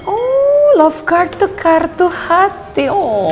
oh love card tuh kartu hati